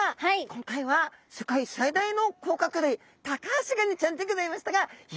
今回は世界最大の甲殻類タカアシガニちゃんでギョざいましたがいかがでしたか？